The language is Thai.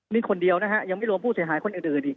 นี่คนเดียวยังไม่รวมผู้เสียหายคนอื่น